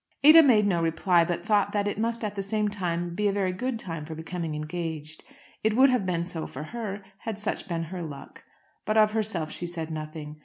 Ada made no reply, but thought that it must at the same time be a very good time for becoming engaged. It would have been so for her had such been her luck. But of herself she said nothing.